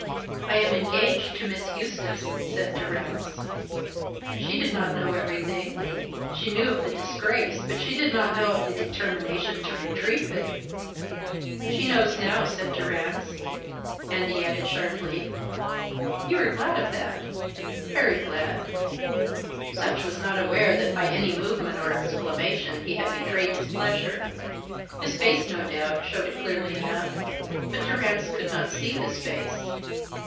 "I am engaged to Miss Eustace," said Durrance. "She did not know everything. She knew of the disgrace, but she did not know of the determination to retrieve it." "She knows now," said Durrance; and he added sharply, "You are glad of that very glad." Sutch was not aware that by any movement or exclamation he had betrayed his pleasure. His face, no doubt, showed it clearly enough, but Durrance could not see his face.